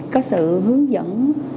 có sự hướng dẫn